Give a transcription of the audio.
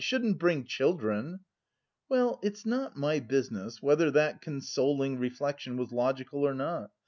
Shouldn't bring children!' Well, it's not my business whether that consoling reflection was logical or not.